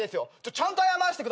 ちゃんと謝らせてください。